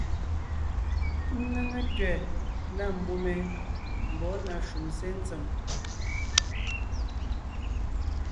Ńnéŋe tẅɛ̀ na mbùm ye mbɔ̌ na shúm sé ntsèm.